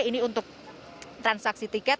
ini untuk transaksi tiket